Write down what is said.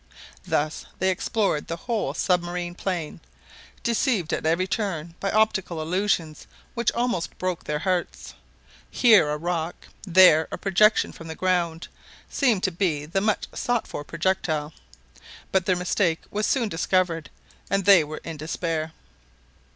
Thus they explored the whole submarine plain, deceived at every turn by optical illusions which almost broke their hearts. Here a rock, there a projection from the ground, seemed to be the much sought for projectile; but their mistake was soon discovered, and then they were in despair.